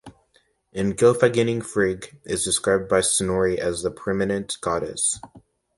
In "Gylfaginning" Frigg is described by Snorri as the preeminent goddess.